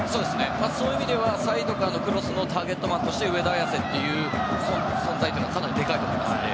そういう意味ではサイドからのクロスのターゲットマンとしての上田綺世という存在はかなりでかいと思いますね。